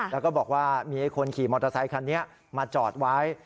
แล้วก็บอกว่ามีคนขี่มอเตอร์ไซคันนี้มาจอดไว้